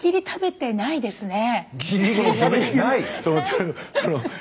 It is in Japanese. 食べてないです。